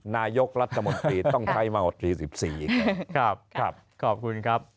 นายกรัฐมนตรีต้องใช้มาหมดที๑๔ครับครับขอบคุณครับ